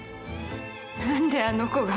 何であの子が。